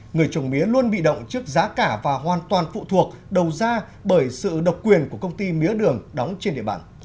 người trồng mía luôn bị động trước giá cả và hoàn toàn phụ thuộc đầu ra bởi sự độc quyền của công ty mía đường đóng trên địa bàn